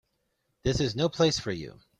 This is no place for you.